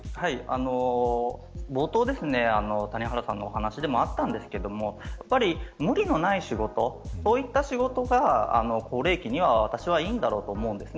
冒頭、谷原さんのお話でもあったんですけれど無理のない仕事そういった仕事が高齢期には私はいいと思うんです。